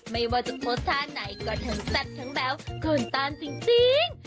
ไม่ว่าจะโพสต์ท่าไหนก็ทั้งแซ่บทั้งแบ๊วคนต้านจริง